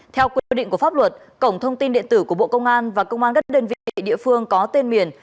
theo quy định của pháp luật cổng thông tin điện tử của bộ công an và công an các đơn vị địa phương có tên miền